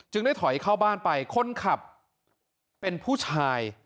ได้ถอยเข้าบ้านไปคนขับเป็นผู้ชาย